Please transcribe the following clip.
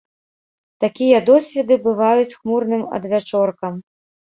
Такія водсветы бываюць хмурным адвячоркам.